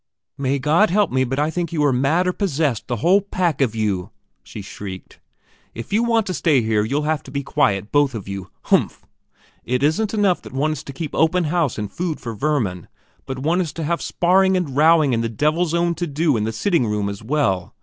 "May God help me, but I think you are mad or possessed, the whole pack of you!" she shrieked. "If you want to stay in here you'll have to be quiet, both of you! Humph! it isn't enough that one is to keep open house and food for vermin, but one is to have sparring and rowing and the devil's own to do in the sitting room as well.